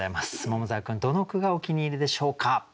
桃沢君どの句がお気に入りでしょうか？